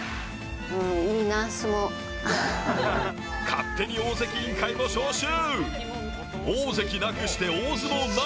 勝手に大関委員会も招集。